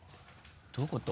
どういうこと？